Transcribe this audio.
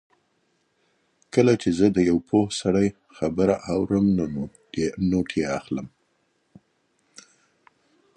کله چې زه د یو پوه سړي خبرې اورم نو نوټ یې اخلم.